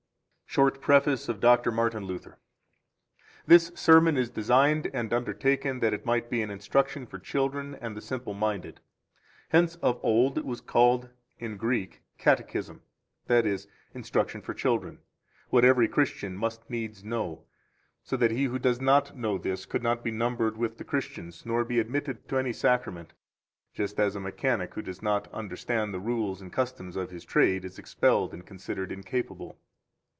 Short Preface of Dr. Martin Luther 1 This sermon is designed and undertaken that it might be an instruction for children and the simple minded. Hence of old it was called in Greek Catechism, i.e., instruction for children, 2 what every Christian must needs know, so that he who does not know this could not be numbered with the Christians nor be admitted to any Sacrament, just as a mechanic who does not understand the rules and customs of his trade is expelled and considered incapable.